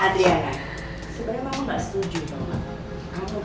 adriana sebenernya mama nggak setuju tau nggak